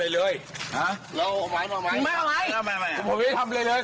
เราก็ต้องมีอาทิตยุเกียจ